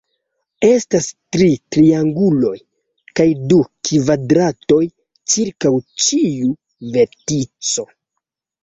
Estas tri trianguloj kaj du kvadratoj ĉirkaŭ ĉiu vertico.